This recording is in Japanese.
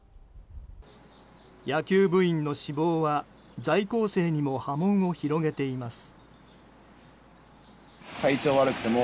野球部員の死亡は在校生にも波紋を広げています。